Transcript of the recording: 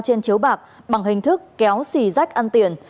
trên chiếu bạc bằng hình thức kéo xì rách ăn tiền